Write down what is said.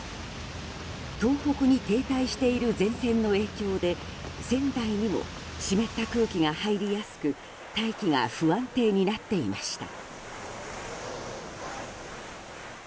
東北に停滞している前線の影響で仙台にも湿った空気が入りやすく大気が不安定になっていました。